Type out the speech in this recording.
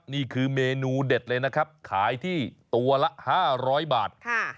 นี่คือเมนูเด็ดเลยนะครับขายที่ตัวละ๕๐๐บาท